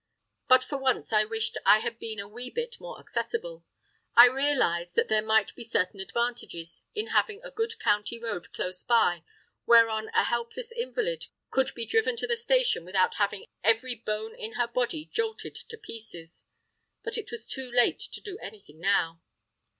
But for once I wished I had been a wee bit more accessible. I realised that there might be certain advantages in having a good county road close by whereon a helpless invalid could be driven to the station without having every bone in her body jolted to pieces! But it was too late to do anything now.